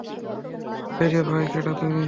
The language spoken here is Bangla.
ভাইরে ভাই, কেডা তুমি?